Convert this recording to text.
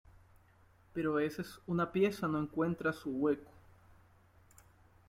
pero a veces una pieza no encuentra su hueco